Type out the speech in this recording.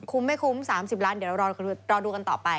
คุ้มไม่คุ้ม๓๐ล้านเดี๋ยวเรารอดูกันต่อไป